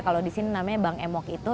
kalau di sini namanya bank emok itu